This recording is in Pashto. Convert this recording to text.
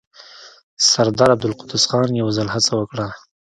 سردار عبدالقدوس خان يو ځل هڅه وکړه.